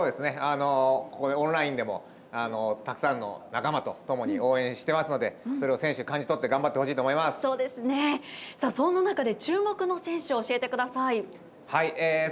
ここでオンラインでもたくさんの仲間とともに応援してますのでそれを選手は感じ取って注目の選手を教えてください。